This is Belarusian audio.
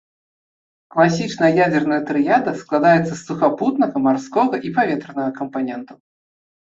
Класічная ядзерная трыяда складаецца з сухапутнага, марскога і паветранага кампанентаў.